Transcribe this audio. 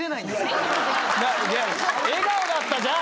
笑顔だったじゃん。